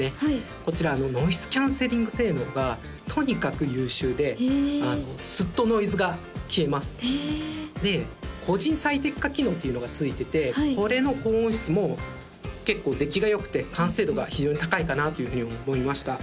こちらノイズキャンセリング性能がとにかく優秀でスッとノイズが消えますで個人最適化機能というのがついててこれの高音質も結構出来がよくて完成度が非常に高いかなというふうに思いました